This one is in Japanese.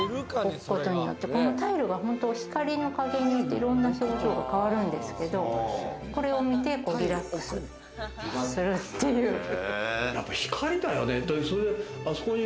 このタイルが光の加減によって、いろんな表情に変わるんですけど、これを見てリラックスするっていう。